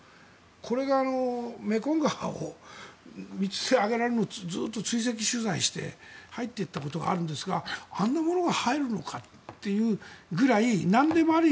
これがメコン川をずっと追跡取材して入っていったことがあるんですがあんなものが入るのかっていうぐらいなんでもあり。